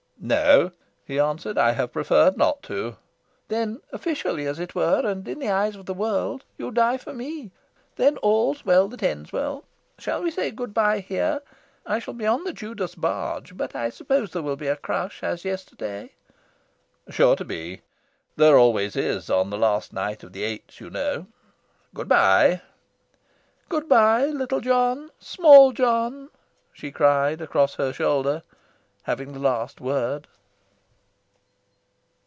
"No," he answered, "I have preferred not to." "Then officially, as it were, and in the eyes of the world, you die for me? Then all's well that ends well. Shall we say good bye here? I shall be on the Judas Barge; but I suppose there will be a crush, as yesterday?" "Sure to be. There always is on the last night of the Eights, you know. Good bye." "Good bye, little John small John," she cried across her shoulder, having the last word.